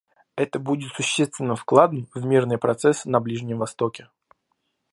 Это будет существенным вкладом в мирный процесс на Ближнем Востоке.